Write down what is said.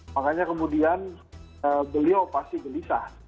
makanya kemudian beliau pasti gelisah